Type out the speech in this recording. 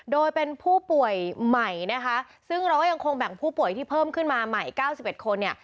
โดยเป็นผู้ป่วยใหม่นะคะซึ่งเราก็ยังคงแบ่งผู้ป่วยที่เพิ่มขึ้นมาใหม่๙๑คนเนี่ย